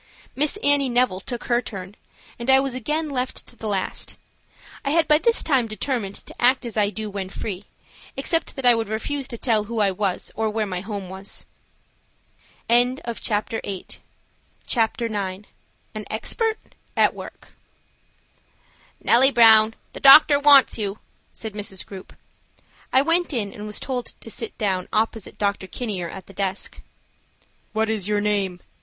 Miss Annie Neville took her turn, and I was again left to the last. I had by this time determined to act as I do when free, except that I would refuse to tell who I was or where my home was. CHAPTER IX. AN EXPERT(?) AT WORK. "NELLIE BROWN, the doctor wants you," said Miss Grupe. I went in and was told to sit down opposite Dr. Kinier at the desk. "What is your name?"